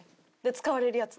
使われるやつ。